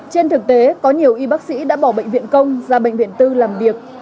trên thực tế có nhiều y bác sĩ đã bỏ bệnh viện công ra bệnh viện tư làm việc